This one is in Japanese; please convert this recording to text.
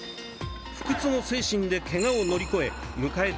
不屈の精神で、けがを乗り越え迎えた